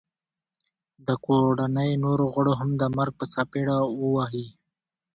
د کوړنۍ نورو غړو هم د مرګ په څپېړه وه وهي